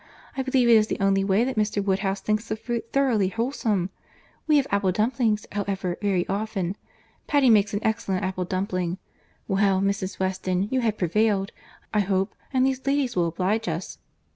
I believe it is the only way that Mr. Woodhouse thinks the fruit thoroughly wholesome. We have apple dumplings, however, very often. Patty makes an excellent apple dumpling. Well, Mrs. Weston, you have prevailed, I hope, and these ladies will oblige us."